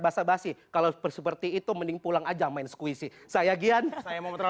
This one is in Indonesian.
basah basih kalau seperti itu mending pulang aja main squishy saya gyan terima kasih